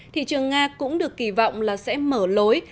thị trường nga cũng được kỳ vọng là sẽ mở lối